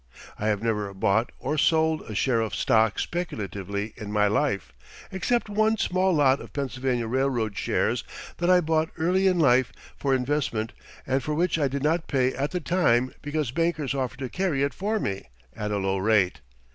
I have never bought or sold a share of stock speculatively in my life, except one small lot of Pennsylvania Railroad shares that I bought early in life for investment and for which I did not pay at the time because bankers offered to carry it for me at a low rate.